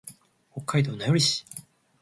北海道名寄市